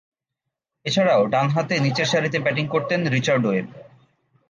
এছাড়াও, ডানহাতে নিচেরসারিতে ব্যাটিং করতেন রিচার্ড ওয়েব।